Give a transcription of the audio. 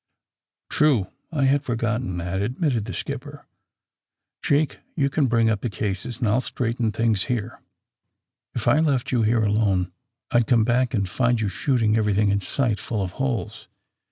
^^True; I had forgotten that," admitted the skipper. ^Make, you can bring up the cases, and I '11 straighten things here. If I left you here alone I'd come back and find yon shooting every thing in sight full of holes.